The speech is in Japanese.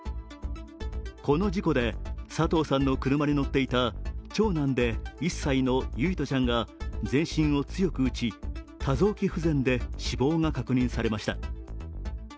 この事故で佐藤さんの車に乗っていた長男で１歳の唯叶ちゃんが全身を強く打ち、多臓器不全で死亡が確認されました。